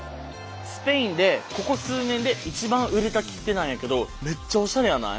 スペインでここ数年で一番売れた切手なんやけどめっちゃおしゃれやない？